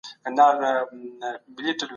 د نساجۍ فابریکو خپل کار ته دوام ورکړ.